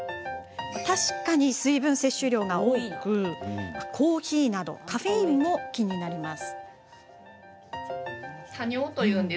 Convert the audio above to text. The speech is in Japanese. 確かに水分摂取量が多くコーヒーなどカフェインも気になります。